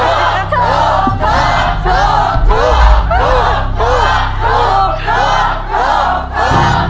ถูก